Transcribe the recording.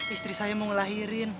istri saya mau ngelahirin